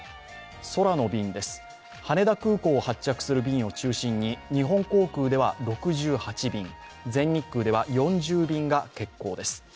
空の便です、羽田空港を発着する便を中心に、日本航空では６８便、全日空では４０便が欠航です。